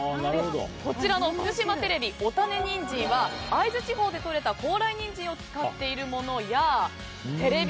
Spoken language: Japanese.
こちらの福島テレビおだねにんじんは会津地方でとれた高麗人参を使っているものやテレビ